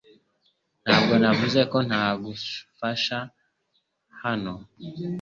Ntabwo navuze ko ntagushaka hano .